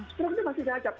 struk itu masih cacat